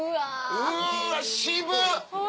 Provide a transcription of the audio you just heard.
うわ渋っ！